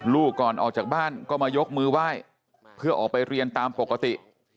ก่อนออกจากบ้านก็มายกมือไหว้เพื่อออกไปเรียนตามปกติ